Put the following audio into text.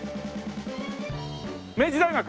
明治大学？